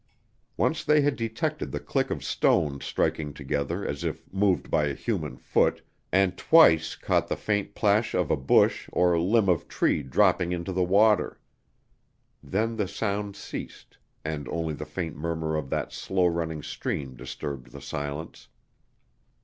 Once they had detected the click of stones striking together as if moved by a human foot and twice caught the faint plash of a bush or limb of tree dropping into the water. Then the sounds ceased, and only the faint murmur of that slow running stream disturbed the silence.